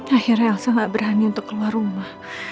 akhirnya elsa gak berani untuk keluar rumah